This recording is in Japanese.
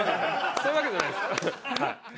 そういうわけじゃないです。